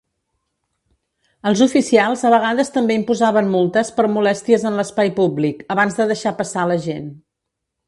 Els oficials a vegades també imposaven multes per molèsties en l'espai públic abans de deixar passar a la gent.